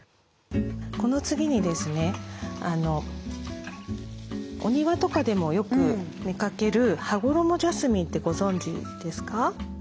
この次にですねお庭とかでもよく見かけるハゴロモジャスミンってご存じですか？